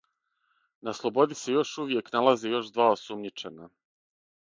На слободи се још увијек налазе још два осумњичена.